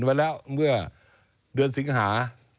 ไว้แล้วเมื่อเดือนสิงหา